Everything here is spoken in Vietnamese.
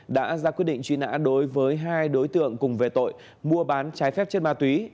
đã ra quyết định truy nã đối với hai đối tượng cùng về tội mua bán trái phép chất ma túy